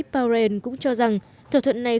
powell cũng cho rằng thỏa thuận này